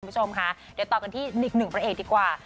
คุณผู้ชมค่ะเดี๋ยวต่อกันที่อีกหนึ่งพระเอกดีกว่า